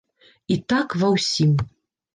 І так ва ўсім!